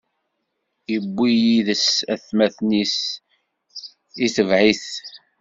Iwwi yid-s atmaten-is, itebɛ-it;